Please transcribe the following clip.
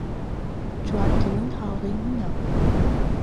جوانترین هاوڕێی منە.